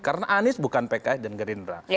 karena anies bukan pks dan gerindra